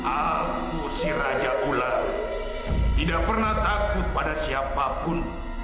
aku si raja ular tidak pernah takut pada siapapun